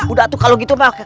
udah tuh kalau gitu pak